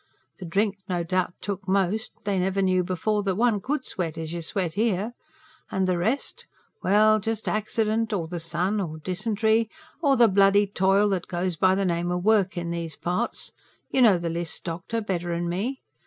The drink no doubt's took most: they never knew before that one COULD sweat as you sweat here. And the rest? Well, just accident ... or the sun ... or dysentery... or the bloody toil that goes by the name o' work in these parts you know the list, doctor, better'n me.